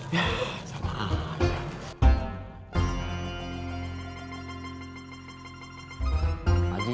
ya sama aja